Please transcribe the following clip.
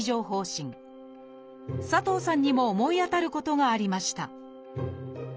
佐藤さんにも思い当たることがありました。